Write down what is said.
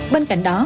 bên cạnh đó